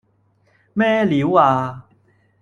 咩料呀